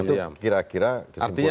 itu kira kira kesimpulannya